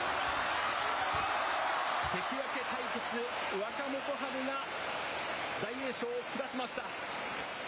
関脇対決、若元春が、大栄翔を下しました。